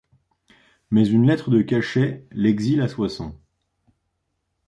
Mais une lettre de cachet l'exile à Soissons.